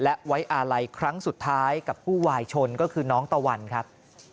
และไว้อาลัยครั้งสุดท้ายกับผู้วายชนก็คือน้องตะวันครับ